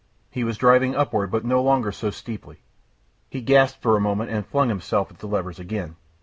He was driving upward but no longer so steeply. He gasped for a moment and flung himself at the levers again.